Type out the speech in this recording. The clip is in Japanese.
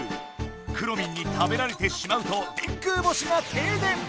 くろミンに食べられてしまうと電空がてい電！